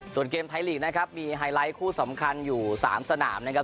ส่วนเกมไทยลีกนะครับมีไฮไลท์คู่สำคัญอยู่๓สนามนะครับ